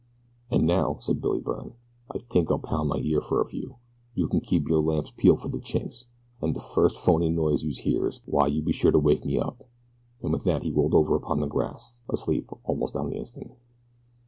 "An' now," said Billy Byrne, "I tink I'll poun' my ear fer a few. You kin keep yer lamps peeled fer de Chinks, an' de first fony noise youse hears, w'y be sure to wake me up," and with that he rolled over upon the grass, asleep almost on the instant.